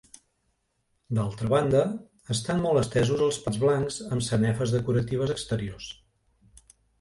D'altra banda, estan molt estesos els plats blancs amb sanefes decoratives exteriors.